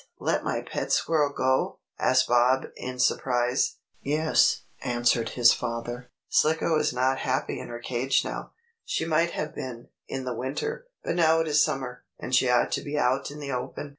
Let my pet squirrel go?" asked Bob, in surprise. "Yes," answered his father. "Slicko is not happy in her cage now. She might have been, in the winter, but now it is summer, and she ought to be out in the open.